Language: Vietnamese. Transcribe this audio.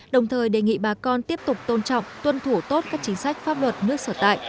đồng thời đề nghị bà con tiếp tục tôn trọng tuân thủ tốt các chính sách pháp luật nước sở tại